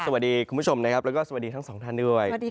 สวัสดีคุณผู้ชมและสวัสดีทั้งสองท่านด้วย